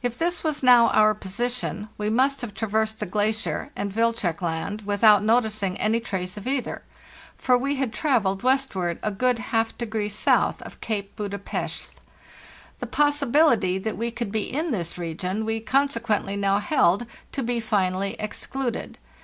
If this was now our position, we must have traversed the glacier and Wilczek Land with out noticing any trace of either; for we had travelled westward a good half degree south of Cape Buda Pesth. The possibility that we could be in this region we conse quently now held to be finally excluded.